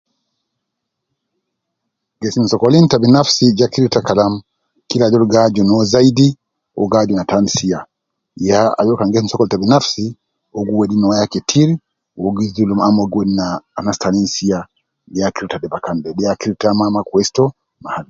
Gesim sokolin ta binafsi ja kirta Kalam kila ajol gi aju no zaidi, uwo gi aju na tan sia, ya ajol kan gesim sokol ta binafsi, uwo gi wedi no ya ketir, wu uwo gi julum au uwo gi wedi ne anas tanin sia, de ya kirta fi bakan de, de ya kirta ma kwesi to